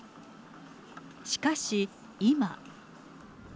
しかし、今。